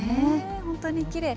本当にきれい。